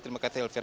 terima kasih elvira